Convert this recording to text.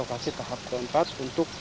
lokasi yang pada saat ini kami miliki